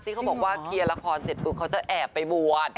เขาบอกว่าเคลียร์ละครเสร็จปุ๊บเขาจะแอบไปบวช